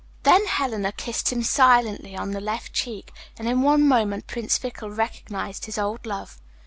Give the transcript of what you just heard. Then Helena kissed him silently on the left cheek, and in one moment Prince Fickle recognized his old love.